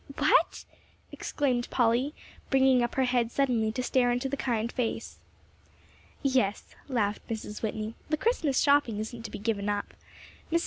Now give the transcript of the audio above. "What?" exclaimed Polly, bringing up her head suddenly to stare into the kind face. "Yes," laughed Mrs. Whitney, "the Christmas shopping isn't to be given up. Mrs.